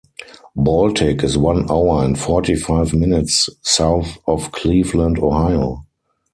Baltic is one hour and forty five minutes south of Cleveland, Ohio.